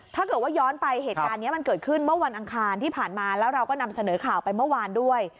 ถ้าเกิดว่าย้อนไปเหตุการณ์นี้มันเกิดขึ้นเมื่อวันอังคารที่ผ่านมาแล้วเราก็นำเสนอข่าวไปเมื่อวานด้วย